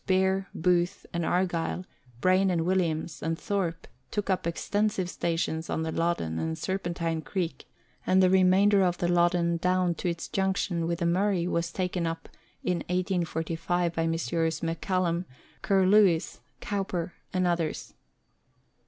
Bear, Booth and Argyle, Brain and Williams, and Thorpe took up extensive stations on the Loddon and Serpentine Creek and the remainder of the Loddon down to its junction with the Murray was taken up in 1845 by Messrs. McCallum, Curlewis, Cowper, and others.